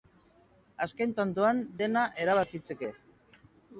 Azken tantoan dena erabakitzeke.